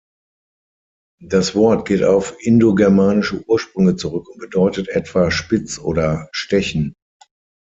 Das Wort geht auf indogermanische Ursprünge zurück und bedeutet etwa „spitz“ oder „stechen“.